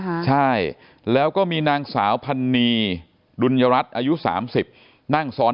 ค่ะใช่แล้วก็มีนางสาวผันนีดุลยรัสอายุ๓๐นั่งซ้อน